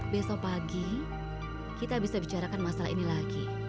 besok pagi kita bisa bicarakan masalah ini lagi